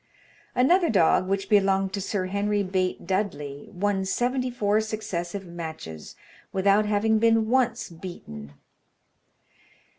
Another dog, which belonged to Sir Henry Bate Dudley, won seventy four successive matches, without having been once beaten.